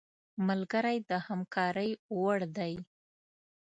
ملګری د همکارۍ وړ دی